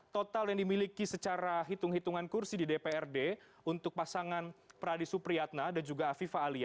total yang dimiliki secara hitung hitungan kursi di dprd untuk pasangan pradi supriyatna dan juga afifa ali